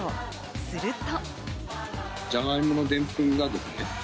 すると。